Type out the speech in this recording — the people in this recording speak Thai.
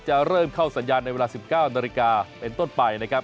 เริ่มเข้าสัญญาณในเวลา๑๙นาฬิกาเป็นต้นไปนะครับ